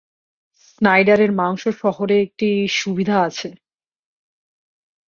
Snyder মাংস শহরে একটি সুবিধা আছে।